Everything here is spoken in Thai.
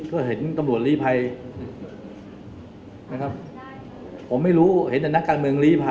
เพื่อเห็นตำรวจรีภัยนะครับผมไม่รู้เห็นแต่นักการเมืองรีภัยนะครับ